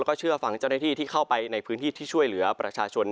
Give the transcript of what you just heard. แล้วก็เชื่อฟังเจ้าหน้าที่ที่เข้าไปในพื้นที่ที่ช่วยเหลือประชาชน